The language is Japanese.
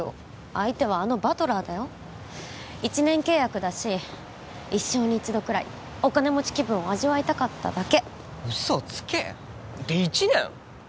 相手はあのバトラーだよ一年契約だし一生に一度くらいお金持ち気分を味わいたかっただけうそつけ！って一年？